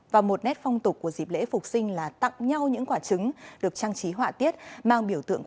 và một trong những ngày lễ phục sinh năm nay sẽ rơi vào ngày mai ba mươi một tháng ba